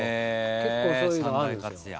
結構そういうのがあるんですよ。